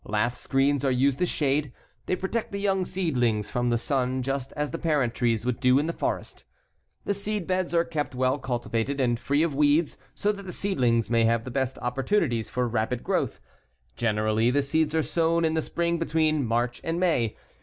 Lath screens are used as shade. They protect the young seedlings from the sun just as the parent trees would do in the forest. The seedbeds are kept well cultivated and free of weeds so that the seedlings may have the best opportunities for rapid growth. Generally the seeds are sown in the spring between March and May.